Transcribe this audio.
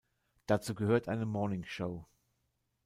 Dazu gehört eine Morningshow.